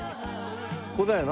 ここだよな？